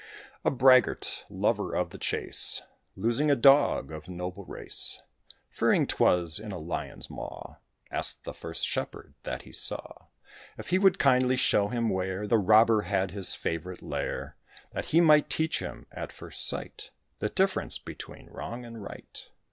A Braggart, lover of the chase, Losing a dog, of noble race, Fearing 'twas in a Lion's maw, Asked the first shepherd that he saw If he would kindly show him where The robber had his favourite lair; That he might teach him, at first sight, The difference between wrong and right.